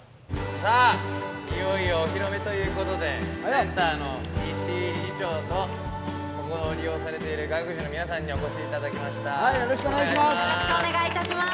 さあ、いよいよお披露目ということで、センターの石井理事長と、ここを利用されている外国人の皆さんによろしくお願いします。